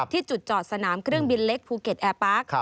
ที่จุดจอดสนามเครื่องบินเล็กภูเก็ตแอร์ปาร์ค